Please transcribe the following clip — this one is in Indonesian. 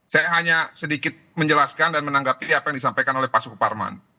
saya hanya sedikit menjelaskan dan menanggapi apa yang disampaikan oleh pak suparman